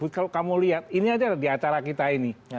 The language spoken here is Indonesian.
kalau kamu lihat ini aja di acara kita ini